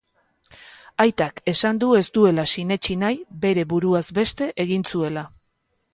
Aitak esan du ez duela sinetsi nahi bere buruaz beste egin zuela.